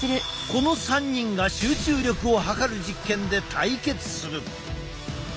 この３人が集中力を測る実験で対決する。